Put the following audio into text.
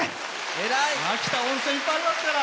秋田温泉いっぱいありますから。